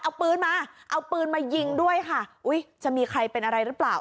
เอาปืนมาเอาปืนมายิงด้วยค่ะอุ้ยจะมีใครเป็นอะไรหรือเปล่า